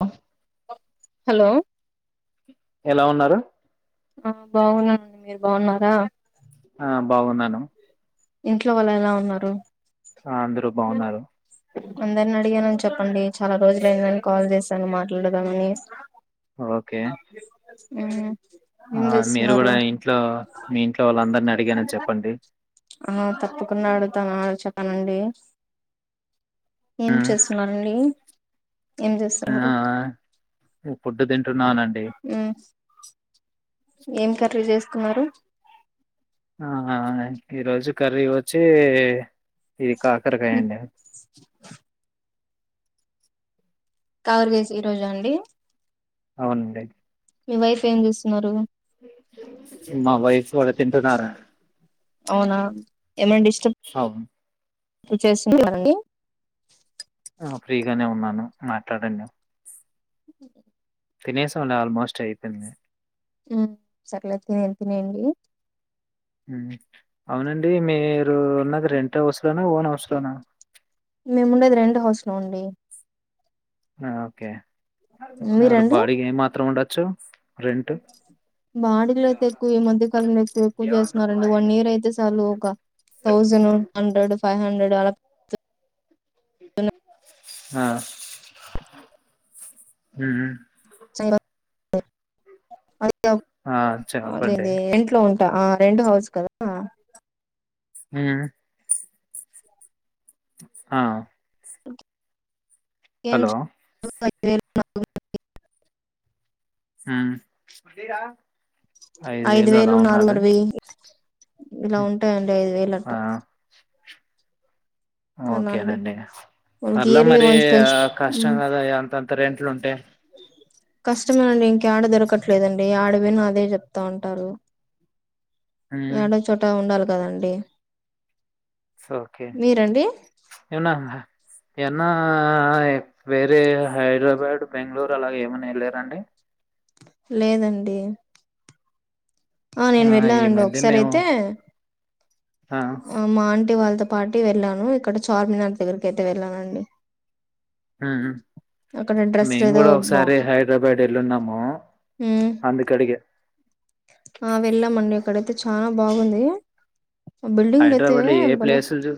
ఆ హలో ఎలా ఉన్నారు ఆ బాగున్నా మండి మీరు బాగున్నారా ఆ బాగున్నాను ఇంట్లో వాళ్ళు ఎలా ఉన్నారు ఆ అందరూ బాగున్నారు. అందరినీ అడిగానని చెప్పండి చాలా రోజులయిందని కాల్ చేసాను మాట్లాడదామని, ఓకే ఉ ఆ మీరు కూడా ఇంట్లో మీ ఇంట్లో వాళ్ళ అందరిని అడిగానని చెప్పండి. ఆ తప్పుకున్నా ఆడుతను ఆలోచకనండి. ఏం హ్మ్. చేస్తున్నండి. ఏం చేస్తున్నారు. ఫుడ్ తింటున్నానండి. మ్, ఏం కర్రీ చేసు కున్నరు. ఆ ఈ రోజు కర్రీ వచ్చి, ఇది కాకరకాయ మ్, అండి. కాకరకజ ఈ రోజ అండి. అవునండి. మీ వైఫ్ ఏం చేస్తున్నారు. మా వైఫ్ వాళ్ళు తింటున్నారు. అవునా ఏమైనా డిస్టర్బ్ [unintelligible] ఫ్రీగానే ఉన్నాను మాట్లాడండి. ఉ తినేసం అండి అల్ ఆల్మోస్ట్ అయిపోయింది. హు సర్లే తినేయి తినండి. హు అవునండి మీ మీరు ఉన్నది రెంట్ హౌస్ లోనా ఓన్ హౌస్ లోనా. మేము ఉండేది రెంట్ హౌస్ లో అండి హా ఓకే అ బాడికి ఏ మాత్రం ఉండదు. చ్చో బాడీలు అయితే ఎక్కువ ఈ మధ్యకాలంలో ఎక్కువ ఎక్కువ చేస్తున్నారు రండి వన్ ఇయర్ అయితే సార్ ఒక థౌజండ్ హండ్రెడ్ ఫైవ్ హండ్రెడ్ అలా. ఆ హు హు స [unintelligible] ఆ చెప్పండి అదేంది ఇంట్లో. ఆ రెంట్ హౌస్ కదా. ఉం ఆ [unintelligible] హలో ే [unintelligible] హు అదేరా ఐదు వేలు నాలుగున్నర వేయి ఇలా ఉమ్, ఉంటాయండి ఐదు వేలు అట్ట ఆ అలా అండి ఓకేనండి వాళ్ళకి పార్లే ఇయర్లీ మరి వన్స్ ఆ పెంచ్ కష్టం కదా అంత అంత రెంట్లుంటే కష్టమేనండి ఇంకా ఎడ దొరకట్లేదండి ఆడ పోయిన అదే చెప్తా ఉంటారు మ్మ్ యాడ చోట ఉండాల కదండి సో ఓకే మీరండి ఏమన్నా ఎన్నా ఎం వేరే హైడర్ బా వట్ బెంగళూరు అలాగ ఏమన్నా వెళ్ళారండి లేదండి ఆ నేను ఈ వెళ్ళానండి మధ్య ఒకసారి మేము అయితే ఆ మా ఆంటీ వాళ్ళతో పాటీ వెళ్ళాను ఇక్కడ చార్మినార్ దగ్గరకయితే వెళ్ళానండి ఉ అక్కడ డ్రెస్సులు మేము ఏదో కూడా బా ఒకసారి హైదరాబాద్ వెళ్ళన్నాము ఉమ్ అందుకడిగ ఆ వెళ్ళామండి అక్కడైతే చాలా బాగుంది బిల్డింగ్లుయితే హైదరాబాద్ లో ఏ బలే ప్లేసులు చూ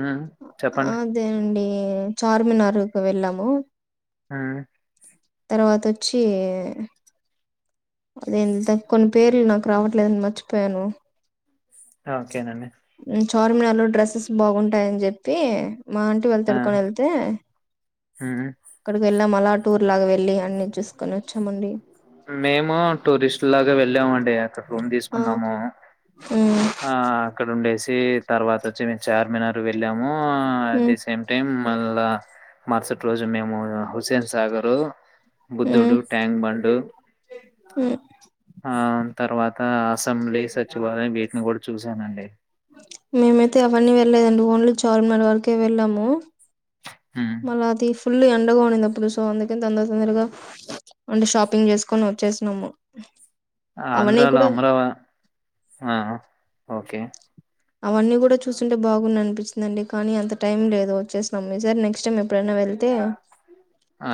హ్మ్ చెప్పండి అఅదేనండి చార్మినార్కి వెళ్ళము ఆ తర్వాతొచ్చి అదే కొన్ని పేర్లు నాకు రావట్లేదుని మర్చిపోయాను ఓకేనండి చార్మినార్ లో డ్రస్సెస్ బాగుంటాయని చెప్పి మా ఆంటి ఆ వెళ్తడుకని వెళ్తే హ్మ్ అక్కడికి వె మ అలా టూర్ లాగా వెళ్లి అన్ని చూసి మేము టూరిస్ట్ లాగా వెళ్ళామండి అక్కడ రూమ్ ఆ తీసుకున్నాము ఉమ్ ఆ అక్కడ ఉండేసి తర్వాత వచ్చి మేము చార్మనారు వెళ్ళాము ట్ ఉమ్ ది సేమ్ టైమ్ మళ్ళ మరుసటి రోజు మేము హుసేన్ సాగరు ఉమ్ బుద్ధుడు ట్యాంక్ బండ్ ఆ తర్వా కూడా చూసానండి మేమైతే అవన్నీ వెళ్లేదండి ఓన్లీ చార్మినార్ వరకే వెళ్ళాము హ్మ్ మళ్ళా అది ఫుల్లు ఎండగ ఉండింది అప్పుడు సో అందుకే తొందర తొందరగా అంటే షాపింగ్ చేస్కొని వచ్చేసినము. ఆంధ్రాలో అమరావ ఆ ఓకే అవన్నీ కూడా చూసుంటే బాగుం అనిపించిందండి కానీ అంత టైం లేదు వచ్చేసినం ఈ సారి నెక్స్ట్ టైం ఎప్పుడైనా వెళ్తే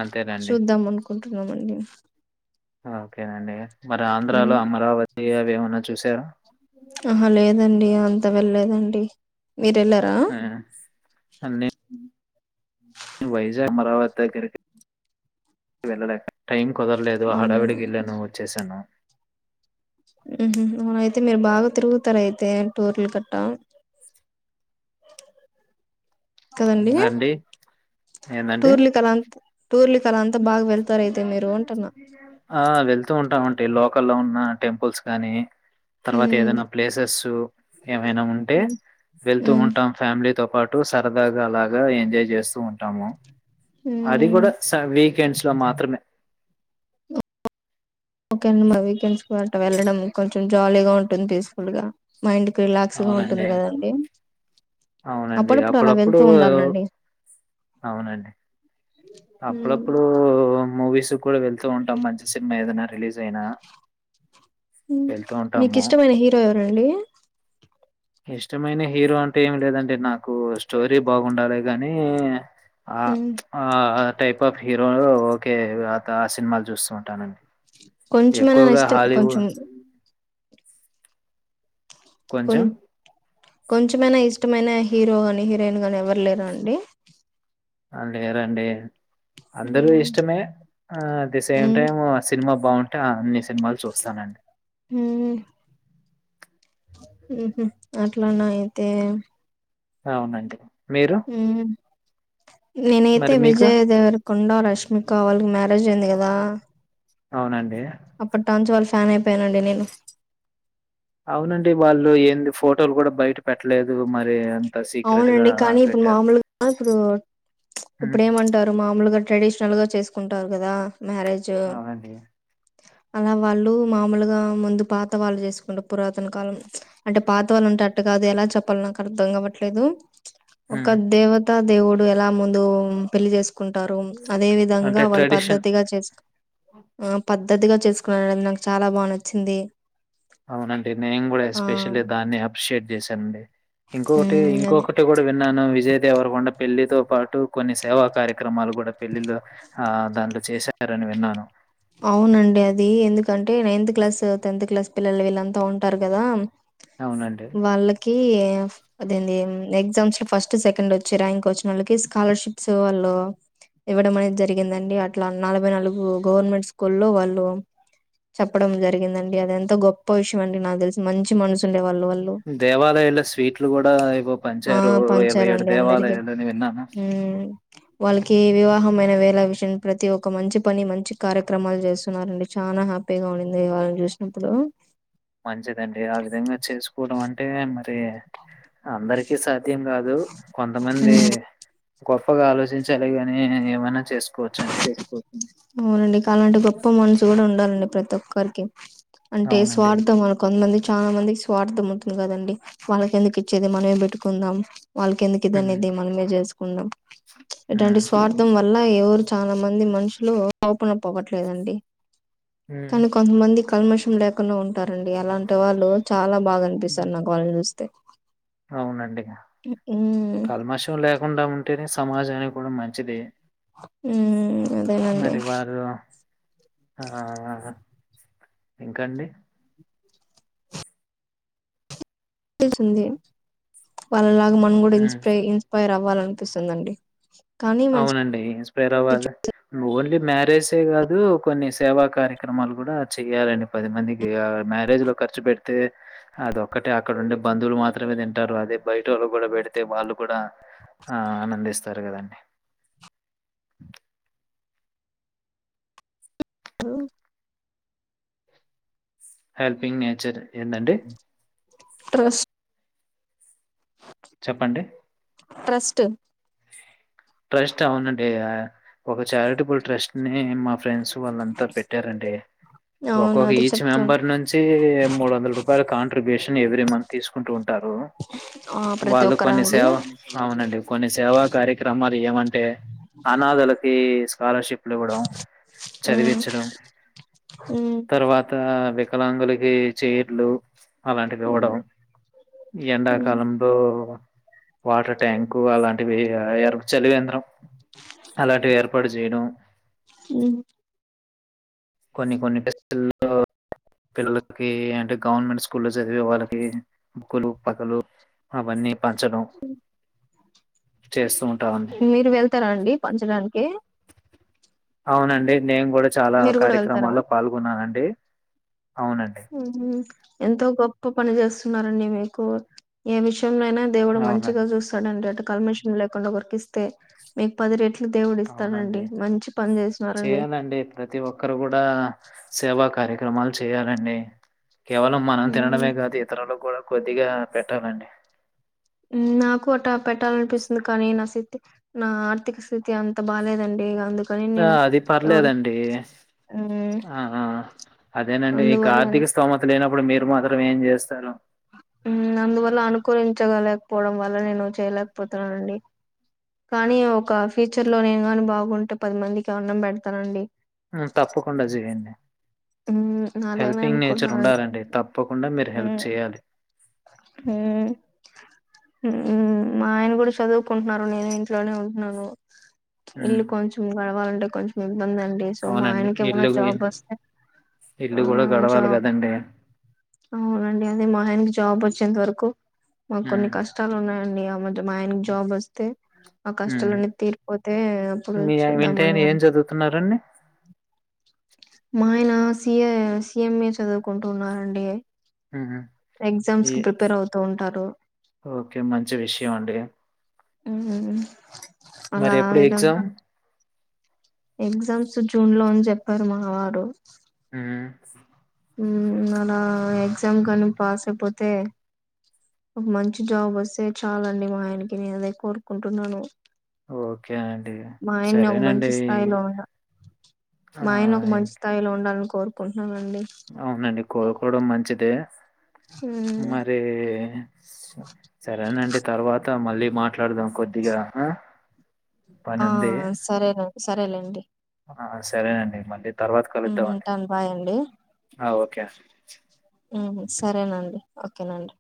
అంతేనండి చూద్దాం అనుకొ కొంటున్నమండి ఓకేనండి మరి ఉమ్, ఆంధ్రాలో అమరావతి అవేమ న్నా చూసారా అహ లేదండి అంత వెళ్ళేదండి ఆ అన్నీ వైజాగ్ అమరావత్ దగ్గరికి వెళ్ళలేక టైమ్ కుదర్లేదు అవునన్నా హడావిడికి వెళ్ళాను వచ్చేసాను. మ్ హ్ అయితే మీరు బాగా తిరుగుతారైయితే టూర్ల కట్ట కదండి ఇంకా అండి? ఏందండి? టూర్లి కళంత్ టూర్లి తర ఆ వెళ్తూ ఉంటామంటే లో కల్లో ఉన్న టెంపుల్స్ కాని తర్వాత ఉమ్ ఏదైనా ప్లేసెస్సు ఏమైనా ఉంటే వెళ్తూ ఉమ్ ఉంటాం ఫ్యామిలీతో పాటు సరదాగా అలాగా ఎంజాయ్ చేస్తూ ఉంటాము. అది ఉమ్ కూడా స వీకెండ్స్లో మాత్రమే ఓకే అండి మా వీకెండ్స్ వెళ్ళడం కొంచెం జాలీగా ఉంటుంది పీస్ఫుల్గా మైండ్ రిలాక్స్గా ఉంటుంది అవునండి. కదండి. అప్పుడప్పుడు అలా వెళ్తూ ఉండాల్ నండి అవునండి. అప్పుడప్పుడు మూవీస్ కూడా వెళ్తూ ఉంటాం మంచి సినిమా ఏదైనా రిలీజ్ జైనా మీకిష్టమైన హీరో ఎవరండి? ఇష్టమైన హీరో అంటే ఏమి లేదండి నాకు స్టోరీ బాగుండాలె గానీ ఆ ఉమ్ ఆ టైప్ ఆఫ్ హీరోలు ఓకే అత ఆ సినిమాలు చూస్తూ ఉంటానండి. కొంచమైనా ఎక్కువగా ఇష్టం కొంచం హాలీవుడ్ కొం కొంచెం కొంచమైనా ఇష్ట ఇష్టమైన హీరో గానీ హీరోయిన్ గాని ఎవరు లేర అండి ఆ లేరండి అందరూ ఉమ్ ఇష్టమే ఆ at the same um time సినిమా బాగుం అట అన్ని సినిమాలు చూస్తానండి ఉ ఉహ్ అట్లాన అయితే అవునండి మీరు ఉ నేనైతే మరి మీకు? విజయదేవరకొండ రష్మికా వాల్ల మ్యా రేజ్ అయింది గద అవునండి ఫ్యాన్ అయిపోయానండి నేను అవునండి వాళ్ళు ఏంది ఫోటోలు కూడా బయట పెట్టలేదు మరి సీక్రెట్‌గా అవునండి ఆ! కానీ ఇప్పుడు పెట్టారు. మామూలుగా ఇప్పుడు హ్మ్. ఇప్పుడు ఏమంటారు మామూలుగా ట్రెడిషనల్ గా చేసుకు ఉంటారు కదా మహారాజు అవునండి. అలా వాళ్ళు మామూలుగా ముందు పాత వాళ్ళు చేసుకుంటారు పురాతన కాలం అంటే పాత వాళ్ళు ఉంటే అట్టు కాదు ఎలా చెప్పాల నాకు అర్థం కా వట్లేదు ఒక హ్మ్. దేవత దేవుడు ఎలా ముందు పెళ్లి చేసుకుంటారు అదే విధంగా అంటే వాళ్ళు ట్రెడిషన్. పద్ద్దతిగా చేసుకో ఆ పద్ధతిగా చేసుకున్నారు అది నాకు చాలా బాగా నచ్చింది అవునండి నేను కూడా ఆ ఎస్పెషలీ దాన్ని అప్ప్రెషట్ చేశానండి ఇంకొకటి హ్మ్ అదే ఇంకొకటి కూడా విన్నాను విజయ్ దేవర కొండ పెళ్లితో పాటు కొన్ని సేవా కార్యక్రమాలు కూడా పెళ్ళిళ్లో ఆ దాంట్లో చేశారని విన్నాను అవునండి అది ఎందుకంటే నైన్త్ క్లాస్ టెన్త్ క్లాస్ పిల్లలు వీళ్ళంతా ఉంటారు కదా అవునండి. వాళ్ళకి అద ఎగ్జామ్స్ లో ఫస్ట్ సెకండ్ వచ్చి ర్యాంక్ వచ్చిన వాళ్ళకి స్కాలర్షిప్స్ వాళ్ళు ఇవ్వడం అనేది జరిగిందండి అట్లా నలభై నాలుగు గవర్నమెంట్ స్కూల్లో వాళ్ళు చెప్పడం జరిగిందండి అది ఎంత గొప్ప విషయం అండి నాకు తెలిసి మంచి మనసు ఉండే దేవాలయాల్లో స్వీట్లు కూడా ఇగో ఆ పంచారు ఇరవై ఏడు పంచారండి అందరికి దేవాలయాలని విన్నాను ఉమ్, వాళ్ళకి వివాహమైన వేళ విషయం ప్రతి ఒక మంచి పని మంచి కార్యక క్రమాలు చేస్తున్నారండి చానా హ్యాపీగా ఉండింది వాళ్ళని చూసినప్పుడు మంచిదండి ఆ విధంగా చేసుకోవడం ఆన్ టే మరి అందరికీ సాధ్యం కాదు కొంతమంది గొప్పగా ఆలోచించాలి కాని మన అవునండి కాలంటే గొప్ప మనసు కూడా ఉండాలండి ప్ర తొక్కరికి అంటే అవునండి స్వార్థం మన కొంతమం చాలా మందికి స్వార్థం అవుతుంది కదండి వాళ్ళకి ఎందుకు ఇచ్చేది మనమే పెట్టుకుందాం వాళ్ళకి ఎందుకు ఇది అనే హ్మ్, ఇది మనమే చేసుకుందాం ఇటువంటి హ్మ్, స్వార్థం వల్ల ఎవరు చాలా మంది మనుషులు మోపున పోవట్లేదండి హ్మ్, కానీ కొంతమంది కల్మషం లేకుండా ఉంటారండి అలాంటి వాళ్ళు చాలా బాగా హ్మ్. అనిపిస్తారు నాకు వాళ్ళనీ చూస్తే అవునండి ఉమ్ కల్మాషం లేకుండా ఉం టనే సమాజానికి కూడా మంచిది ఉ మరి వారు ఆ ఇంకాండి ది వాలా లా నక్ మన కూడా హ్మ్. ఇన్స్పై ఇన్స్పైర్ అవ్వాలం పిస్తుందండి అవునండి రవాల ఓన్లీ మ్యారేజే కాదు కొన్ని సేవా కార్యక్రమాలు కూడా చెయాలండి పది మందికి మ్యారేజ్ లో ఖర్చు పెడితే అది ఒక్కటే అక్కడ ఉండే బంధువులు మాత్రమే తింటారు అదే బయట వాళ్ళు కూడా పెడితే వాళ్ళు కూడా ఆ ఆనందిస్తారు కదండి ట్రూ హెల్పింగ్ నే చర్ ఏంటండీ ట్రస్ట్ చెప్పండి ట్రస్ట్ ట్రస్ట్ అవునండి ఒక చారిటబుల్ ట్రస్ట్ ని మా ఫ్రెండ్స్ వాళ్ళంతా పెట్టారండి అవును ఒక్కొక్క అది ఈచ్ చెప్తూ మెంబర్ ఉంటా నుంచి మూడు వందల రూపాయల కాంట్రిబ్యూషన్ ఎవ్రీ మంత్ తీసుకుంటుంది టారు ఆ ప్రతి వాళ్ళు ఒక్కరా కొన్ని అండి సేవ అవునండి కొన్ని సేవా కార్య క్రమాలు ఏమంటే అనాథలకి స్కాలర్షిప్లు ఇవ్వడం ఉమ్ చదివించడం ఉమ్ తర్వాత వికలాంగులకి చైర్లు అలాంటివి ఇవ్వడం ఉమ్ ఎండాకాలంలో వాటర్ ట్యాంకు అలాంటివి ఇగ చలివేంద్రం అలాంటివి ఏర్పాటు చేయడం ఉమ్ కొన్ని కొన్ని టేస్ట్ ల్లో పిల్లలు కి అంటే గవర్నమెంట్ స్కూల్లో చదివే వాళ్ళకి బుక్స్ పలకలు చేస్తూ ఉంటామండి మీరు వెళ్తార అండి పంచడానికి ఏ అవునండి నేను కూడా చాలా మీరు కూడా కార్యక్రమాల్లో పాల్గొన్నానండి అవునండి మ్మ్ హ్హ్ ఎంతో గొప్ప పని చేస్తున్నారండి మీరు ఏ విషయం నైనా దేవుడు అవునండి మంచిగా చూస్తాడండి అటు కల్మషం లేకుండా ఓకరికి ఇస్తే మీకు పది రేట్లు అవునండి చేసినారండి చేయాలండి ప్రతి ఒక్కరు కూడా సేవా కార్యక్రమాలు చేయాలండి కేవలం మనం హ్మ్. తినడమే కాదు ఇతరులకు కూడా కొద్దిగా పెట్టాలండి నాకు అలా పెట్టాలనిపిస్తుంది కానీ నా స్థితి నా ఆర్థిక స్థితి అంత బాలేదండి ఇగ అందుకు ఆ అది పర్లేదండి ఆ ఆ అదేనండి ఇక అందువల్ల ఆర్థిక స్తోమత లేనప్పుడు మీరు మాత్రం ఏం చేస్తారు మ్మ్ అందువల్ల అనుకూరించగలరు పోవడం వల్ల నేను చేయలేకపోతున్నానండి కానీ ఒక ఫ్యూచర్ లో నేను గాని బాగుంటే పది మందికి అన్నం పెడతానండి మ్మ్ తప్పకుండా చేయండి హ్మ్ అలానే హెల్పింగ్ నేచర్ అనుకుంటున్నానండి ఉండాలండి తప్ప కుండా మీరు హెల్ప్ హ్మ్ చేయాలి మ్మ్ మా ఆయన కూడా చదువుకుంటున్నారు నేను ఇంట్లోనే ఉంటున్నాను హ్మ్. ఇల్లు కొంచం గడప్ కావాలంటే కొంచెం ఇబ్బంది అండి సో మా అవునండి. ఆయనకి ఏమైనా ఇల్లు గు జాబ్ వస్తే ఆ ఇల్లు గూడా గడవాలి జాబ్ గదండీ. అవునండి అదే మా ఆయన కి జాబ్ వచ్చేంత వరకు మాకు కొన్ని హ్మ్. కష్టాలు ఉన్నాయండి ఈ మధ్య మా ఆయనకి జాబ్ వస్తే ఆ హ్మ్. కష్టాలన్ని తీరిపోతే అప్పుడు మీ చూద్దామని ఇంటాయన ఏం అనుకు చదువుతున్నారండి? మా ఆయన C A, C M A చదువుకుంటు ఉన్నారండి. హు ఉమ్ ఈ ఎగ్జామ్స్ కి ప్రిపేర్ అవుతూ ఉంటారు ఓకే మంచి విషయం అండి. హు ఉమ్ మరి ఎప్పుడు ఎగ్జామ్ ఎగ్జామ్స్ జూన్ లో అని చెప్పారు మా వారు. హు ఉమ్ అలా ఎగ్జామ్ కానీ పాస్ అయిపోతే, ఒక మంచి జాబ్ వస్తే చాలండి మా ఆయనకి నేను అదే కోరుకుంటున్నాను. ఓకే అండి. మా ఆయన్ని ఒక మంచి సరేనండి. స్థాయిలో ఉండా ఆ! మా ఆయన ఒక మంచి ఇంక- స్థాయిలో ఉండాలని కోరు కుంటున్నానండి అవునండి కోరుకోవడం మంచిదే. మ్మ్ మరి సరేనండి తర్వాత మళ్ళీ మాట్లాడదాం కొద్దిగా ఆ పనుంది. సరేనండి సరేలేండి ఆ సరేనండి మళ్ళీ తర్వాత కలుద్దామండి. ఉంటాన్ బాయ్ అండి ఆ ఓకే అండి హు ఉమ్ సరేనండి ఓకేనండి